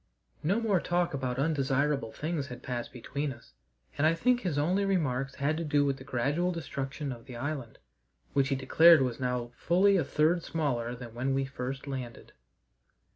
No more talk about undesirable things had passed between us, and I think his only remarks had to do with the gradual destruction of the island, which he declared was now fully a third smaller than when we first landed.